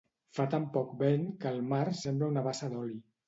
Fa tan poc vent que el mar sembla una bassa d'oli.